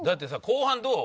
後半どう？